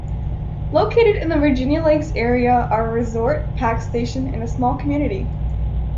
Located in the Virginia Lakes area are a resort, pack station, and small community.